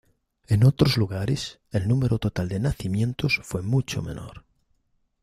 En otros lugares, el número total de nacimientos fue mucho menor.